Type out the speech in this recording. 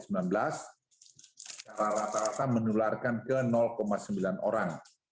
secara rata rata menularkan ke sembilan orang